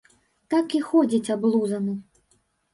Так і ходзіць аблузаны.